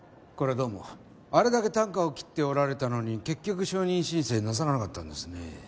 どうもあれだけたんかを切っておられたのに結局証人申請なさらなかったんですね